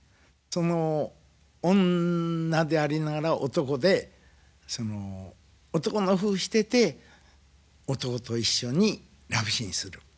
その女でありながら男でその男のふうしてて男と一緒にラブシーンする。